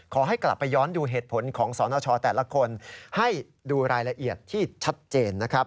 ขอให้กลับไปย้อนดูเหตุผลของสนชแต่ละคนให้ดูรายละเอียดที่ชัดเจนนะครับ